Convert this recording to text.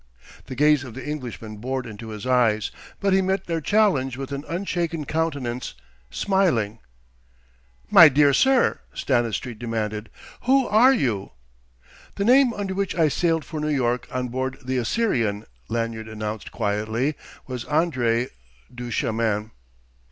The gaze of the Englishman bored into his eyes; but he met their challenge with an unshaken countenance, smiling. "My dear sir," Stanistreet demanded "who are you?" "The name under which I sailed for New York on board the Assyrian," Lanyard announced quietly, "was André Duchemin."